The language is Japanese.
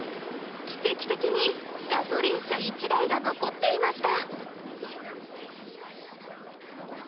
奇跡的にガソリン車１台が残っていました。